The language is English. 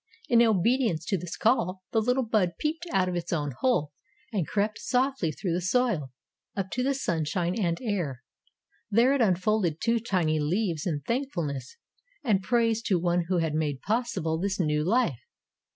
In obedience to this call the little bud peeped out of its own hull and crept softly through the soil, up to the sunshine and air. There it unfolded two tiny leaves in thankfulness and praise to One who had made possible this new life.